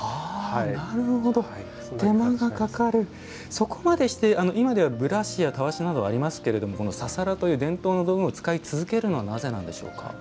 そこまでして今ではブラシやたわしなどありますけれどもこのササラという伝統の道具を使い続けるのはなぜなんでしょうか。